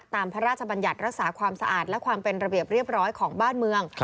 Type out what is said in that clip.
พระราชบัญญัติรักษาความสะอาดและความเป็นระเบียบเรียบร้อยของบ้านเมือง